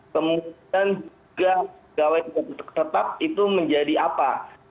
kemudian juga pegawai tetap itu menjadi apa